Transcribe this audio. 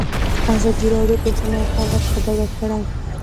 ازادي راډیو د هنر حالت په ډاګه کړی.